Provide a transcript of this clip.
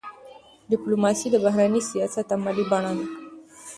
ډيپلوماسي د بهرني سیاست عملي بڼه ده.